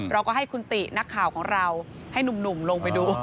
เราก็ให้คุณตินักข่าวของเราให้หนุ่มลงไปดู